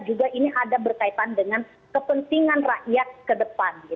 juga ini ada berkaitan dengan kepentingan rakyat ke depan